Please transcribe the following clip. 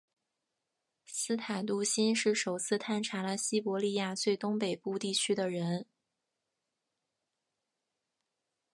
斯塔杜欣是首次探查了西伯利亚最东北部地区的人。